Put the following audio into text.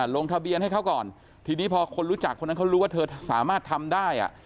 ลงทะเบียนให้เขาก่อนทีนี้พอคนรู้จักคนนั้นเขารู้ว่าเธอสามารถทำได้อ่ะ